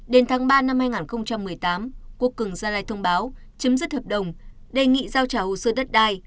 đến tháng ba năm hai nghìn một mươi tám quốc cường gia lai thông báo chấm dứt hợp đồng đề nghị giao trả hồ sơ đất đai